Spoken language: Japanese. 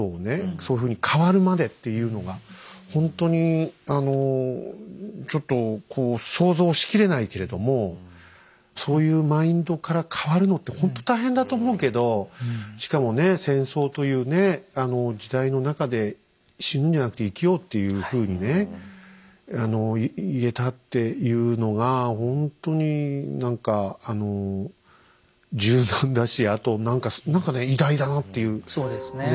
そういうふうに変わるまでっていうのがほんとにあのちょっとこう想像しきれないけれどもそういうマインドから変わるのってほんと大変だと思うけどしかもね戦争というね時代の中で死ぬんじゃなくて生きようっていうふうにね言えたっていうのがほんとに何か柔軟だしあと何か何かね偉大だなっていうね。